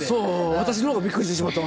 私の方がびっくりしてしまったわ。